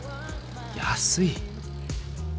安い。